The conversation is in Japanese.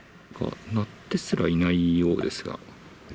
鳴ってすらいないようですが。